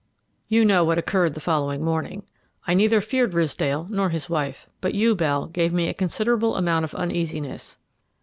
"You know what occurred the following morning. I neither feared Ridsdale nor his wife, but you, Bell, gave me a considerable amount of uneasiness.